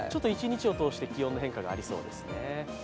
一日を通して気温の変化がありそうですね。